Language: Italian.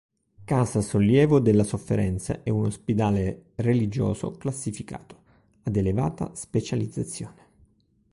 Casa Sollievo della Sofferenza è un “ospedale religioso classificato” ad elevata specializzazione.